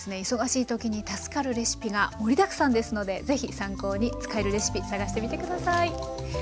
忙しい時に助かるレシピが盛りだくさんですので是非参考に使えるレシピ探してみて下さい。